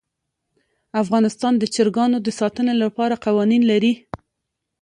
افغانستان د چرګانو د ساتنې لپاره قوانین لري.